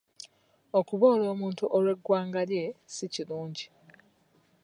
Okuboola omuntu olw'eggwanga lye si kirungi